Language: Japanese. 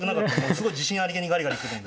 すごい自信ありげにガリガリ来るんで。